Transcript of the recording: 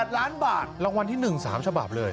๘ล้านบาทรางวัลที่๑๓ฉบับเลย